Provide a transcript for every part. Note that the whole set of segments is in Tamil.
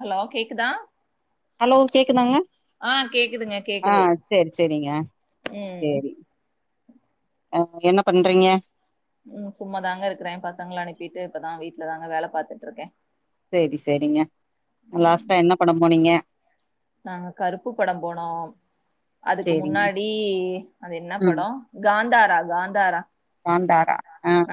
ஹலோ கேக்குதா ஹலோ கேக்குதாங்க ஆ கேக்குதுங்க கேக்குது ஆஹ் சேரி சேரிங்க ம் அஹ் என்ன பண்றீங்க ம் சும்மாதாங்க இருக்குறே பசங்கள அனுப்பிட்டு இப்பதா வீட்லதாங்க வேல பாத்துட்ருக்கே சேரி சேரிங்க லாஸ்டா என்ன படம் போனீங்க நாங்க கருப்பு படம் போனோம் அதுக்கு சேரிங்க முன்னாடி அது என்ன ம் படம் காந்தாரா காந்தாரா ஆந்தாரா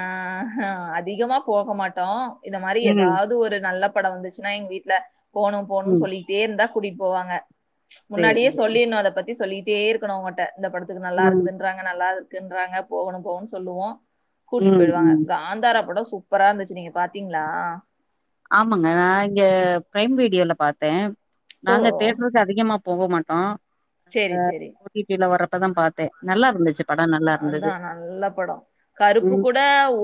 ஆஹ்ஹ அதிகமா போக மாட்டோ இந்த மாரி ம் ஏதாவது ஒரு நல்லப் பட வந்துச்சுனா எங்க வீட்டுல போணு போணும்னு ம் சொல்லிட்டே இருந்தா கூட்டிட்டு போவாங்க சேரி முன்னாடியே சேரி சொல்லிருணு அத பத்தி சொல்லிட்டே இருக்கணு அவங்கட்ட இந்த படத்துக்கு நல்லா ம் இருக்குதுன்றாங்க நல்லா குன்றாங்க போகணு போனு சொல்லுவோ கூட்டிட்டு ம் போயிடுவாங்க ம் காந்தாரா பட ஸ் பூப்பரா இருந்துச்சு நீங்க பாத்தீங்ளா ஆமாங்க நா இங்க ப்ரைம் வீடியோல பாத்தே ஓ நாங்க தேட்ருக்கு அதிகமா போக மாட்டோ சரி அஹ சரி ஓடிடில வர்ரப்பதா பாத்தே நல்லாருந்துச்சு அதா நல்ல பட கருப்பு ம் கூட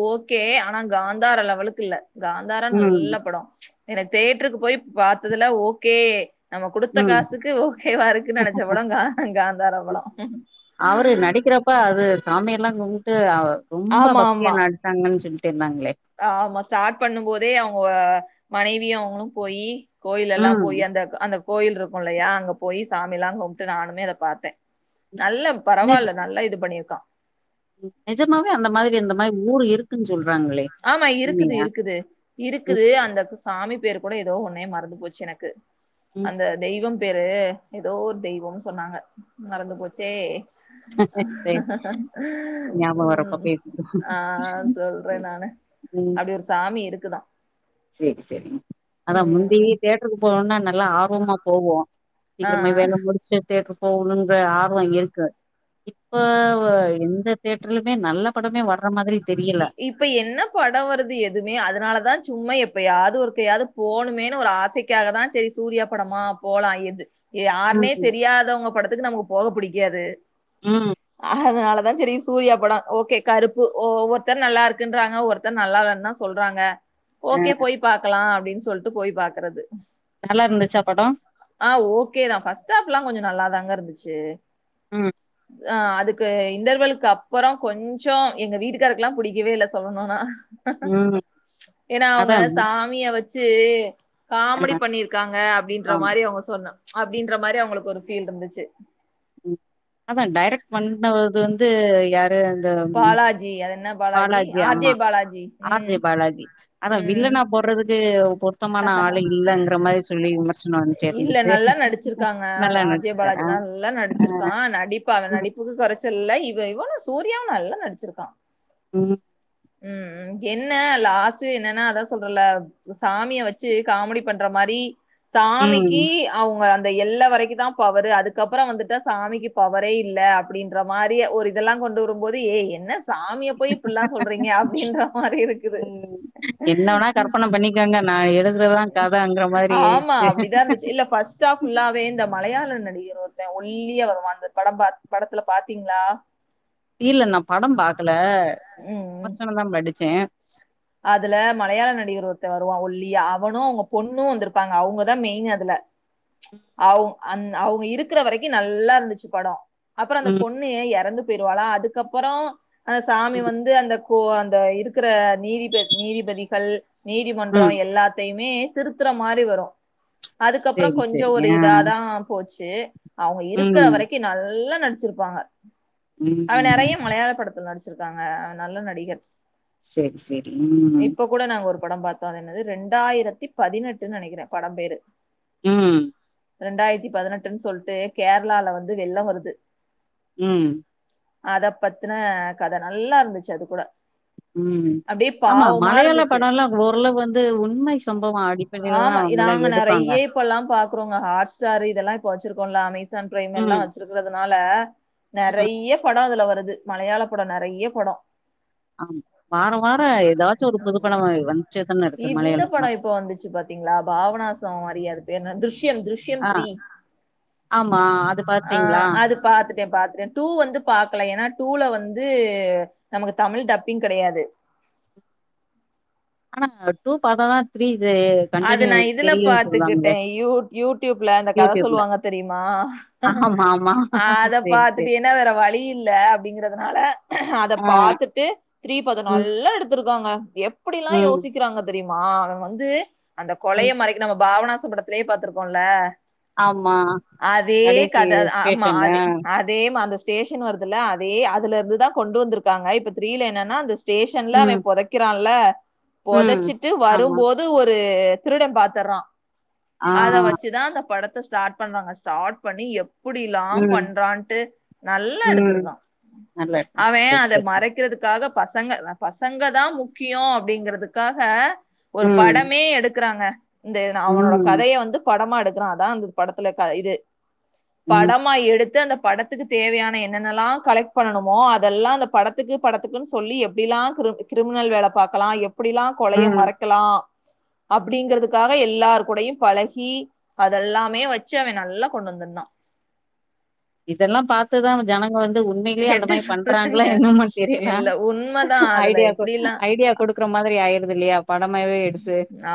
ஓகே ஆனா காந்தாரா லெவலுக்கு இல்ல காந்தாரா ம் நல்ல பட ச் எனக் தேட்ருக்கு போய் பாத்ததுல ஓகே நம்ம குடுத்த ம் காசுக்கு ஓகேவா இருக்கு நினச்ச படம் கா காந்தாரா படம் சாமியேல்லா கும்ட்டு அ ரொம்ப பக்தியா நடிச்சாங்கன் சொல்லி அ ஆமா ஸ்டார்ட் பண்ணும் போதே அவுங்க மனைவியு அவங்ளு போயி கோயில் எல்லா ம் போய் அந்த க் அந்த கோயில் ருக்கு இல்லையா அங்க போய் சாமி எல்லா கும்ட்டு நானுமே அத பாத்தே நல்ல நிஜ பரவால நல்லா இது பண்ணியிருக்கா நிஜமாவே அந்த மாதிரி அந்த மாதிரி ஊர் இருக்குன்னு சொல்றாங்களே ஆமா இருக்குது உண்மையா? இருக்குது ம், இருக்குது அந்த சாமி பேரு கூட ஏதோ ஒன்னே மறந்து போச்சு எனக்கு ம். அந்த தெய்வம் பேரு ஏதோ ஒரு தெய்வம்னு சொன்னாங்க மறந்து போச்சே ஆஹ் சரி, சரி. ஆஹ் ஹ ஹ ஞாபகம் வரப்ப ம் பேசிக்குவோம். ஆஹ் சொல்றே நானு அப்டி ஒரு சாமி இருக்குதா சேரி சேரி அதா முந்தி தேட்ருக்கு போனோனா நல்லா ஆர்வமா போவோ ஆ, ஆ. சீக்கிரமா வேல முடிச்சுட்டு தேட்டுருக்கு போகணுங்ற ஆர்வ இருக்கு இப்ப ஒ எந்த தேட்ருலுமே நல்ல படமே வர்ற மாதிரி தெரியல. இ இப்ப என்ன பட வருது எதுவுமே அதுனாலதா சும்மா எப் இப்பயாது ஒருக்கையாது போனுமேனு ஒரு ஆசைக்காக தா சேரி சூர்யா படமா போலா எது யாருனே ம், தெரியாதவங்க படத்துக்கு நமக்கு போக புடிக்காது ம். அதனால தா சேரி சூர்யா பட ஓகே கருப்பு ஒவ்வொ த்தர் நல்லாருக்குன்றாங்க ஒருத்தர் நல்லாலனு தா சொல்றாங்க அ ஓகே போய் பாக்கலா அப்டினு சொல்ட்டு போய் பாக்றது நல்லா இருந்துச்சா படம்? ஆ ஓகே தா ஃபஸ்ட் ஆப்லா கொஞ்ச நல்லாதாங்க இருந்துச்சு ம் அ அதுக்கு இன்டர்வலுக்கு அப்பறோ கொஞ்சோ எங்க வீட்டுக் காருக்லா புடிக்கவே இல்ல சொல்லணுன்னா ம் ஏன்னா அவங்க அதான் சாமிய வச்சு அ காமெடி பண்ணிருக்காங்க அப்டின்ற ஆமா. மாரி அவ ங்க சொன்ன அப்டின்ற மாரி அவங்களுக்கு ஒரு ஃபீல் இருந்துச்சு எ அது வந்து யார் பாலாஜி அது என்ன பாலாஜி ஆர்ஜே பாலாஜி ஆர் ம் ஜே பாலாஜி அதா ம் வில்லனா போடறதுக்கு சுத்தமான ஆள் இல்லங்ற மாரி சொல்லி விமர்சனோ வந்துட்டே இல்ல இருந்துச்சு நல்லா நடிச்சிருக்காங்க நல்லா ஆர் ஜே பாலாஜி நடிக்ராரா நல்லா நடிச்சிருக்கா நடிப்பு அவ நடிப்புக்கு கொறச்சலில்ல இவ இவனு சூ ரியாவு நல்லா நடிச்சுருக்கா ம் ம் ம் என்ன லாஸ்ட் என்னனா அதா சொல்றல்ல சாமிய வச்சு காமெடி பண்ற மாரி சாமிக்கு ம் அவுங்க எல்ல வரைக்குந்தா பவரு அதுக்கப்றோ வந்துட்டா சாமிக்கு பவரே இல்ல அப்டின்ற மாரி ஒரு இதெல்லா கொண்டு வரும்போது ஏ என்ன சாமிய போய் இப்புல்லா சொல்றிங்க அப்டின்ற மாரி இருக்குது என்ன வேணா கற்பன பண்ணிக்கங்க நா எழுதுறதுதா கதங்கிற மாரி ஆமா ஆயிடுச்சு அப்டிதா இருந்துச்சு இல்ல ஃபஸ்டாஃப் ஃபுல்லாவே இந்த மலையா ள நடிகர் ஒருத்தே ஒல்லியே வருவா அந்த படம் பாத் படத்துல பாத்திங்ளா இல்ல நா படம் பாக்ல ம். விமர்சனந்தா படிச்சே அதுல மலையாள நடிகர் ஒருத்த வருவா ஒல்லியா அவனு அவுங்க பொண்ணு வந்ருப்பாங்க அவங்கதா மெயின் அதுல அவுங் அந் அவுங்க இருக்கற வரைக்கு நல்லா இருந்துச்சு படோ அப்பற அந்த ம் பொண்ணு எறந்து போயிருவாளா அதுக்கப்பறோ அந்த சாமி வந்து அந்த கோ அந்த இருக்கிற நீதிப நீதிபதிகள் நீதிமன்றோ ம் எல்லாத்தையு மே திருத்தற மாரி வரு அதுக்கப்றோ சேரி கொஞ்சோ சேரிங்க ஒரு ஆ இதாதா போச்சு அவுங்க இருக்கற ம் வரைக்கு நல்லா நடிச்சிருப்பாங்க அவ நெறைய ம் மலையாள படத்துல நடிச் சிருக்காங்க அவ நல்ல நடிகர் சேர் சேரி ம் இப்ப கூட நாங்க ஒரு படம் பாத்தோ அதென்னது ரெண்டாயிரத்தி பதினெட்டுன் நெனைக்கிறே படம் பேரு ம் ரெண்டாயிரத்தி பதினெட்டுன் சொல்ட்டு கேரளால வந்து வெள்ள வருது ம் அத பத்தின கத நல்லா இருந்துச்சு அது கூட ம் அப்படியே ஆமா பாவமா மலையாள இருந்துச்சு. படோல்லா ஒரளவு வந்து உண்மை சம்பவ அடிப்படைலதா அவங்கலா எடுப்பாங் ஏ இப்பல்லா பாக்றோங்க ஹாட்ஸ்டாரு இதெல்லா இப்ப வச்சிருக்கோன்ல அமேசான் பிரைம் எல்லா ம் வச்சிருக்கறதுனால ம் நறைய படோ அதுல வருது மலையாள படோ நறைய படோ ஆ வார வா தான இருக்கு இந்த மலையாள படோ படம் இப்ப வந்துச்சு பாத்திங்ளா பாவனாச மாரியே இருக்கு துருஷ்யன் துர்ஷ்யன் ஆ த்ரீ ஆமா அது ஆ பாத்தீங்களா அது பாத்து ட்டே பாத்துடடே டூ வந்து பாக்கல ஏனா டூல வந்து நமக்கு தமிழ் டப்பிங் கெடையாது ஆனா டூ பாத்தா தா த்ரீ இது அது கண்டினியூ நா இதுல தெரியுன்னு பாத்துக்கிட்டே சொல்லுவாங்களே யூ யூடியூப்ல இந்த கத யூடியூப்ல சொல்லுவாங்க தெரியுமா ஆமா ஆமா அத சேரி பாத்துட்டு சேரி ஏனா வேற வழி இல்ல அப்டிங்கறதுனால அத பா ஆ பாத்துட்டு த்ரீ பாதோ ம் நல்லா எடுத்ருக்காங்க எப்படிலா ம் யோசிக்கிறாங்க தெரியுமா அவ வந்து அந்த கொலைய ம் மறைக்க நம்ம பாவனாச படத்துலயே பாத்துருக்கோல்ல ஆமா அதே கடைசி கதை அ ஆமா ஸ்டேஷன்னு அத அதே அந்த ஸ்டேஷன் வருதுல அதே அதுல இருந்துதா கொண்டு வந்திருக்காங்க இப்ப த்ரீல என்னனா அந்த ஸ்டேஷன்ல அவ ம் பொதைக்கிறால்ல ம் பொதச்சிட்டு ஆமா வரும்போது ஒரு திருடம் பாத்தர்றா ஆ அத வச்சுதா அந்த படத்த ஸ்டார்ட் பண்றாங்க ஸ்டார்ட் பண்ணி எப்புடிலா ம் பண்றான்ட்டு நல்லா ம் எடுத்துருக்கா நல்லா இருக்கு அவே சேரி அதை சேரி மறைக்கிறதுக்காக பசங்க பசங்க தான் முக்கியம் அப்படிங்கறதுக்காக ம் எடுக்கறாங்க இந்த அவனோட ம், கதையை வந்து படமா எடுக்கிறா அத அந்த படத்துல க இது ம், படமா எடுத்து அந்த படத்துக்கு தேவையான என்னென்னெல்லாம் கலெக்ட் பண்ணணுமோ அதெல்லாம் அந்த படத்துக்கு படத்துக்குன்னு சொல்லி எப்படிலா கிரிமினல் வேலை பாக்கலா எப்படிலாம் கொலையை ம். மறைக்கலா அப்படிங்கறதுக்காக எல்லாரு கூடையும் பழகி அதெல்லாமே வச்சு அவன் நல்லா கொண்டு வந்த அண்ணா இதெல்லாம் பாத்துதான் ஜன வந்து உண்மைளியே அந்த கேட்டு மாதிரி பண்றாங்களா சொல்றேங்க என்னம தெரியல இல்ல உண்மைதான் அதுல ஐடியா எப்படிலாம் ஐடியா கூ இருக்கற மாரி ஆயிரு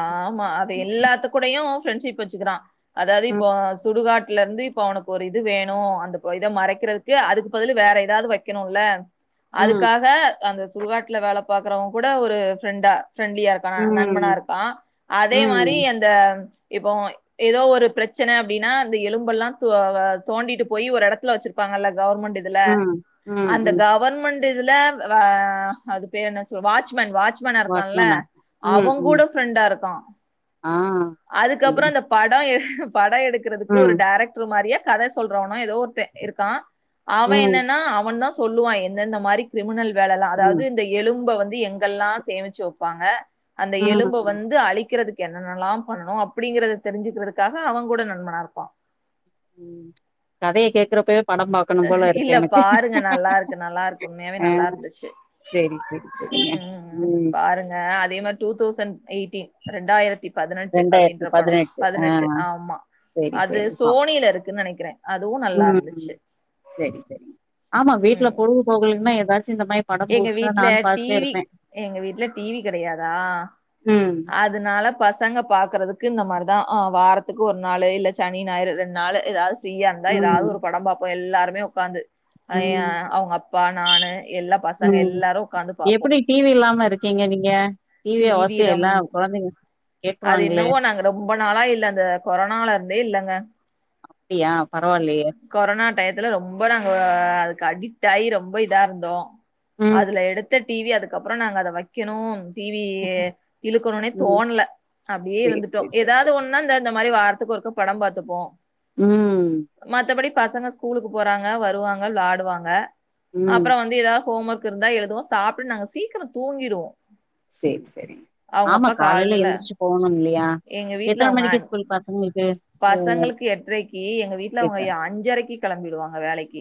ஆமா அதை எல்லாத்து கூடையும் ப்ரெண்ட்ஷிப் வச்சுக்கிறா அதாவது இப்போ ம், சுடுகாட் இருந்து இப்ப அவனுக்கு ஒரு இது வேணும் அந்த இதை மறைக்கிறதுக்கு அதுக்கு பதில வேற ஏதாவது வைக்கணுல ம், அதுக்காக அந்த சுடுகடுகாட்டுல வேலை பாக்கறவங்க கூட ஒரு ப்ரெண்டா ப்ண்ட்லியா நன்பன ம், இருப்பா அதே மாதிரி ம், அந்த இப்போ ஏதோ ஒரு பிரச்சனை அப்படின்னா அந்த எலும்பெல்லா தோண்டிட்டு போய் ஒரு இடத்துல வச்சிருப்பாங்கல்ல கவர்மெண்ட் இதுல ம், ம், அந்த ம். கவர்மெண்ட் இதுல அது பேரு என்ன சொல் வாட்சமேன் வாட்ச்மேனா இருக்கான்ல வாட்மேனா? ம், அவங்க ம். கூட ப்ரெண்டா இருக்கா ஆ. அப்டியா? அதுக்கப்புறம் அந்த படம் படம் எடுக்கறிறதுக்கு ஒரு ம், டைேரக்டர் மாதிரியே கதை சொல்றோனா ஏதோ ஒருத்த இருக்கா அவன் ம். என்னன்னா அவன் தான் சொல்லுவான் எந்தெந்த மாதிரி கிரிமினல் வேலை எல்லாம் அதாவது புரியும். இந்த எலும்ப வந்து எங்கெல்லா சேமிச்சு வைப்பாங்க அந்த எலும்பு ம், வந்து அழிக்கிறதுக் என்னென்னல்லாம் பண்ணும் அப்படிங்கறத தெரிஞ்சுக்கிறதுக்காக அவன் கூட நண்பானா இருப்பா ம் கதைய கேக்குறப்ப இல்ல பாருங்க நல்லா இருக்கு நல்லா இருக்கு உண்மையாவே ஆ நல்லா இருந்துச்சு சரி, சரி, சரிங்க. ம் பாருங்க அதே மாதிரி டூ தௌசண்ட் எயிட்டீன் ரெண்டாயிரத்தி பதினெட்டு அப்படின்ற படம் பதினெட்டு ஆ ஆமா சரி, அது சரி. பா சோனியில இருக்குன்னு நினைக்கிறே அதுவு நல்லா இருந்துச்சு சரி சரி ஆமா வீட்டுல ம் பொழுகு போகலன்னா ஏதாச்சும் இந்த மாதிரி எங்க வீட்டுல டிவி எங்க வீட்டுல டிவி கிடையாதா ம் அதனால பசங்க பார்க்கறதுக்கு இந்த மாதிரிதா வாரத்துக்கு ஒரு நாள் இல்லை சனி ஞாயிறு ரெண்டு நாள் ஏதாவது பிரிய இருந்தா ஏதாவது ஒரு படம் பார்ப்போம் எல்லாருமே உக்காந்து ம் அவங்க அப்பா நானு எல் பாசாங்க எல்லாரு உக்கா எப்படி டிவி இல்லாம இருக்கீங்க நீங்க டிவி அவசிய இல்ல குழந்தைங்க அது இன்னமோ நாங்க ரொம்ப நாளா இல்ல அந்த கொரோனால இருந்தே இல்லங்க அப்படியா கொரோனா டயத்துல ரொம்ப நாங்க அதுக்கு அடிக் ஆகி ரொம்ப இதா இருந்தோ ம் அதுல எடுத்த டிவி அதுக்கப்புறம் நாங்க அதை வைக்கணும் டிவி இழுக்கணும்னே தோணல அப்படியே சேரி இருந்துட்டோம் சேரி சேரி ஏதாவது சேரி ஒன்னா இந்த இந்த மாதிரி வர துக்கு ஒருக்கா படம் பார்த்தப்போ உம் மத்தபடி பசங்க ஸ்கூலுக்கு போறாங்க வருவாங்க விளாடுவாங்க ம் அப்புறம் வந்து எதாவது ஹோம் ஒர்க் இருந்தா எழுதுவோ சாப்ட்டு நாங்க சீக்கிரம் தூங்கிடுவோ சரி சரி அவங்க ஆமா அப்பா காலையில காலைல எந்திரிச்சு போணும் இல்லையா எங்க வீட்ல எத்தனை அவங்க மணிக்கு அஞ்- ஸ்கூல் பசங்களுக்கு பசங்களுக்கு எட்ரைக்கு எங்க வீட்டுல அவங்க கேட்டே அஞ்சரைக்கு கெளம்பிடுவாங்க வேலைக்கு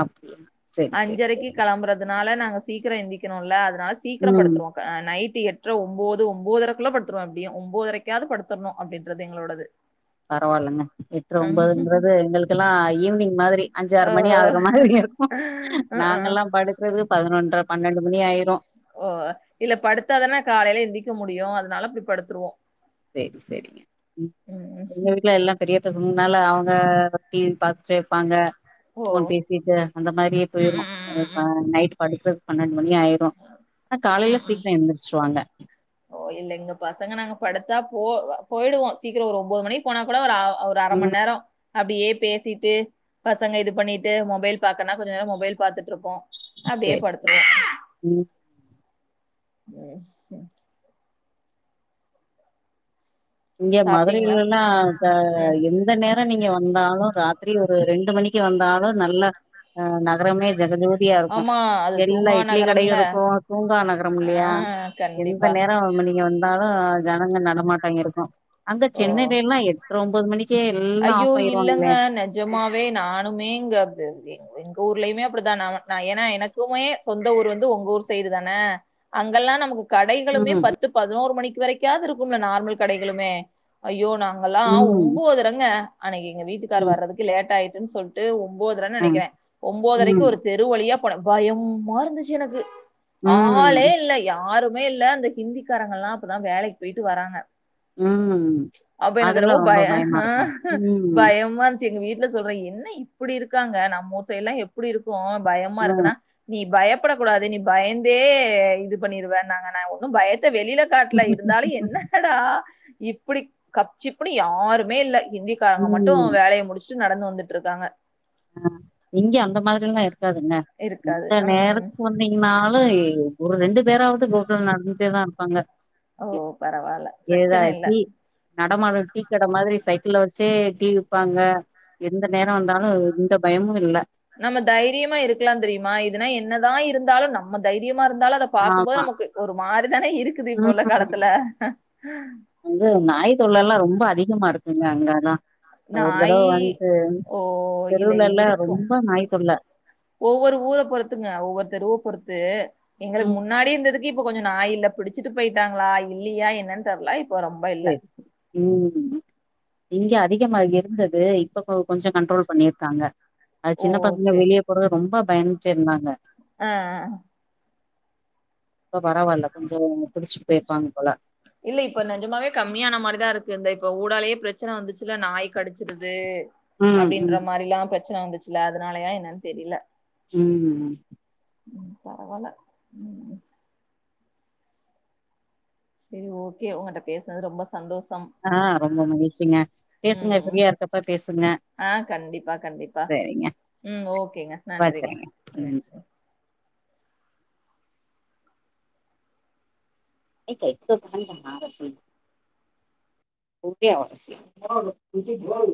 அப்டியா செரி செரி அஞ்சரைக்கு செரி கிளம்புறதுனால நா சீக்ரோ எந்திக்கணுல்ல அதனால சீக்ரோ ம் படுத்துறுவோ ஆ நைட் எட்டு எட்ற ஒம்போது ஒம்பதுரைக்குள்ள படுத்துருவ அப்படியு ஒம்பதரைக்காவது படுத்தரணு அப்படின்றது எங்களோடது பரவால்லங்க எட்ற ம். ஒம்பதுன்றது எங்களுக் ல்லாம் ஈவினிங் மாதிரி அஞ்சு ஆறு ஓ. மணி ஆகுற மாரி இருக்கு ம்ஹ்ம். நாங்கல்லா படுக்கறது பதினொன் ற பன்னெண்டு மணி ஆயிரும். ஓ இல்ல படுத்தாதான காலையில எந்திக்க முடியு அதனால அப்படி படுத்துருவோ செரி செரிங்க ம் எங்க வீட்ல எல்லா பெரிய பசங்க னால அவங்க பத்தி சேப்பாங்க ஓ. போன் பேசிட்டு அந்த மாரியே ம், போயிரு ம், ம், ம், ம். நைட் படுத்து பன்னன் மணி ஆயிரு ம் ம் ஓ இல்லங்க பசங்க நாங்க படுத்தா போ போயிடுவோ சீக்கிர ஒரு ஒம்போது மணிக்கு போனா கூட ஒரு ஒரு அர மண் ம். நேரோ அப்டியே பேசிட்டு பசங்க இது பண்ணிட்டு மொபைல் பாக்கனா கொஞ்ச நேர மொபைல் பாத்துட்டு இருப்போ அப்டியே சரி. படுத்துருவோ ம். எஸ் இங்க சாப்பிட்டீங்களா மதுரைலல்லா ம், த ம், ம். எந்த நேர நீங் க வந்தாலு ராத்திரி ஒரு ரெண்டு மணிக்கு வந்தாலு நல்ல அ நகரமே ஜெகஜோதி தியா இருக்கு ஆமா அது எல்லா தூங்கா இட்லி கடையு நகரம்ல இருக்கு தூங்கா நகரம் இல்லையா ஆஹ் எந்த கண்டிப்பா நேர நீங்க வந்தாலு ஜனங்க நடமாட்ட இருக்கு அங்க ஓ சென்னையில எல்லா எட்ற ஒம்பது மணிக் ஐயோ இல்லங்க நெஜமாவே நானுமே இங்க அப்பி அப்பி எங்க ஊர்லயுமே அப்டிதா நா நா ஏனா எனக்குமே சொந்த ஊர் வந்து உங்க ஊர் சைடு தான அங்க அங்கலா நமக்கு கடைகளுமே ம் பத்து பதினோரு மணிக்கு வரைக்காவது இருக்கும்ல நார்மல் கடைகளுமே ஐயோ நா நாங்கல்லா ம் ஒன்போதரங்க அன்னைக்கு எங்க வீட்டுக்கார் ம் வர்றதுக்கு லேட் ஆயிட்டுன்னு சொல்ட்டு உ ஒம்போதர அ நெனக்கிறேன் ஒம்போதரைக்கு ம் ஒரு தெரு வழியா போன பயமா இருந்துச்சு எனக்கு ஆளே ம் இல்ல யாருமே இல்ல அந்த ஹிந்திக்காரங்கல்லா அப்பதா வேலைக்கு போயிட்டு வராங்க ம் அப்ப எனக்கு அதெல்லா ரொம்போ ரொம்ப பய பயமா ஆ இருக்கு ம் பயமா இருந்துச்சு எங்க வீட்ல சொல்ற என்ன இப்டி இருக்காங்க நம்ம ஊர் சைடு எல்லா எப்டி இருக்கு பயமா இருக்குனா அ நீ பயப்படக் கூடாது நீ பயந்தே இது பண்ணிருவே நா நா ஒன்னும் பயத் த வெளியில காட்ல இருந்தாலு என்னடா இப்டி கப்ச்சிப்ன்னு யாருமே இல்ல ஹிந்திக்காரங்க மட்டு ம் வேலய முடிச்சுட்டு நடந்து வந்துட்டு இருக்காங்க ஆ இங்க அந்த மாதிரல்லா இருக்காதுங்க இருக்காது. எந்த ம். நேரத்துக்கு வந்தீங்கன்னாலு ஒரு ரெண்டு பேராவது ரோட்ல நடந்துட்டே தா இருப்பாங்க ஓ பரவால ஏதா பிரச்சன இல்ல டீ நடமாடு டீ கட மாதிரி சைக்கிள்ல வச்சே டீ விப்பாங்க எந்த நேர வந்தாலு எந்த பயமு இல்ல நம்ம தைரியமா இருக்கலா தெரியுமா இதுனா என்னதா இருந்தாலு நம்ம தைரிய மா இருந்தாலு அத பாக்கும்போது ஆமா நமக்கு ஒரு மாரிதான இருக்குது இப்போ உள்ள ம் காலத்துல அ வந்து நாய் தொல்ல எல்லா ரொம்ப அதிகமா இருக்குங்க அங்கலா நாயி ஓ இல்ல தெருவுலல்லா இருக்கு ரொம்ப நாய் தொல்ல ஒவ்வொரு ஊர பொறுத்துங்க ஒவ்வொரு தெருவ பொறுத்து எங்களுக்கு ம். முன்னாடி இருந்ததுக்கு இப்ப கொஞ்சம் நாய் இல்ல பிடிச்சிட்டு போயிட்டாங்களா இல்லையா என்னன்னு தெர்ல இப் சரி ம் இங்க அதிகமா இருந்தது இப்ப ப்ப கொஞ்ச கண்ட்ரோல் பண்ணியிருக்காங்க அது ஓ சின்ன பசங்க வெளியே போறது ரொம்ப பயந்துட்டே இருந்தாங்க அ அ இப்ப பரவால்ல கொஞ்சோ புடிச்சுட்டு போய்ருப்பாங்க போல இல்ல இப்ப நெஜமாவே கம்மியான மாரிதா இருக்கு இந்த இப்ப ஊடாலயே பிரச்சன வந்துச்சுல்ல நாய் கடிச்சிருது ம் அப்டின்ற ம் மாரிலா பிரச்சன வந்துச்சுல்ல அதனாலயா என்னன்னு தெரில ம் ம் ம் பரவால்ல ம் செரி ஓகே உங்கிட்ட பேசுனது ரொம்ப சந்தோஷ் ஆ ரொம்ப மகிழ்ச்சிங்க ம் பேசுங்க ம் ஃப்ரீயா இருக்கப்ப பேசுங்க ஆ கண்டிப்பா கண்டிப்பா சரிங்க ம் ஓகேங்க நன்றிங்க வச்சுருங்க ம் நன்றி ம் ஏ கே [unintelligible] [unintelligible]